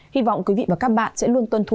hy vọng quý vị và các bạn sẽ luôn tuân thủ